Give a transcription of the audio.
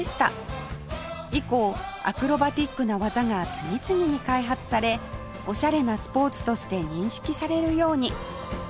以降アクロバティックな技が次々に開発されおしゃれなスポーツとして認識されるように